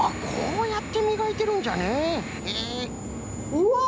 うわ！